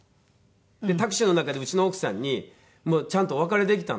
タクシーの中でうちの奥さんに「ちゃんとお別れできたの？」